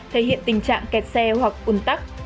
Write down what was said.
thể hiện tình trạng kẹt xe hoặc un tắc